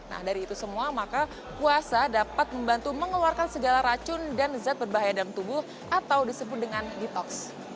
nah dari itu semua maka puasa dapat membantu mengeluarkan segala racun dan zat berbahaya dalam tubuh atau disebut dengan ditox